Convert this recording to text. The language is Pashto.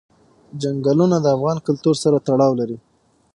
چنګلونه د افغان کلتور سره تړاو لري.